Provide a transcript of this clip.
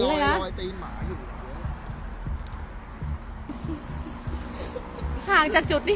มาห้างหลายไป